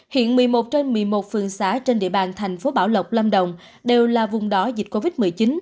hiện một mươi một trên một mươi một phương xã trên địa bàn tp bảo lộc lâm đồng đều là vùng đó dịch covid một mươi chín